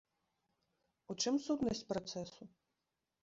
У чым сутнасць працэсу?